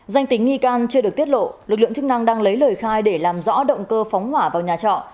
danh tính nghi can chưa được tiết lộ lực lượng chức năng đang lấy lời khai để làm rõ động cơ phóng hỏa vào nhà trọ